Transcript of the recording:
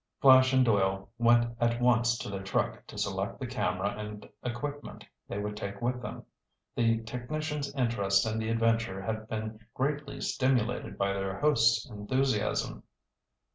Flash and Doyle went at once to their truck to select the camera and equipment they would take with them. The technician's interest in the adventure had been greatly stimulated by their host's enthusiasm.